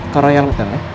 kau royal mekang ya